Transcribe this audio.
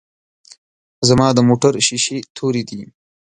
ځما دموټر شیشی توری دی.